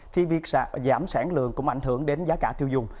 thì việc giảm sản lượng cũng ảnh hưởng đến giá cả tiêu dùng